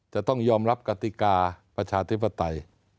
จะต้องยอมรับกติกาประชาธิปไตย